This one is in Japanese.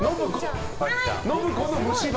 信子の虫歯。